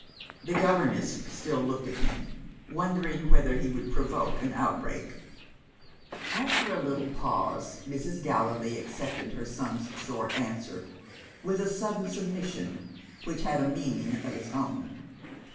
The governess still looked at him, wondering whether he would provoke an outbreak. After a little pause, Mrs. Gallilee accepted her son's short answer with a sudden submission which had a meaning of its own.